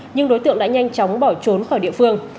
nhưng đối tượng đã nhanh chóng bỏ trốn khỏi địa phương